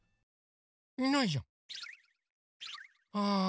いないじゃん！ああ。